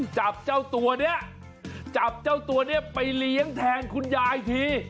จับเจ้าตัวเนี่ยไปเลี้ยงแทงคุณยายที